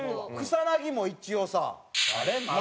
草薙も一応さ。